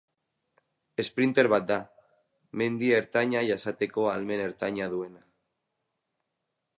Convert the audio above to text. Esprinter bat da, mendi ertaina jasateko ahalmen ertaina duena.